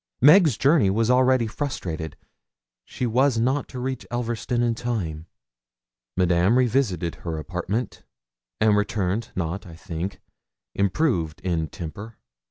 Meg's journey was already frustrated: she was not to reach Elverston in time. Madame revisited her apartment, and returned, not, I think, improved in temper.